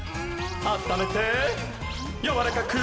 あっためてやわらかく！